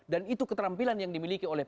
dan itu keterampilan yang dimiliki oleh